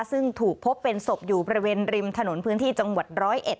ซึ่งถูกพบเป็นศพอยู่บริเวณริมถนนพื้นที่จังหวัดร้อยเอ็ด